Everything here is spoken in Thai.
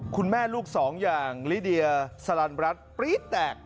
คุณแม่ลูกสองอย่างลิเดียสลันรัฐปรี๊ดแตก